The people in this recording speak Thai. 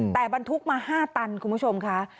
แต่บรรทุกมา๕ตันคุณผู้ชมค่ะ